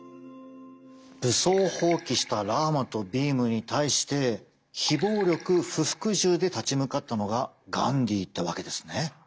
武装蜂起したラーマとビームに対して非暴力・不服従で立ち向かったのがガンディーってわけですね。